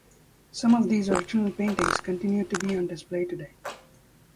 Some of these original paintings continue to be on display today.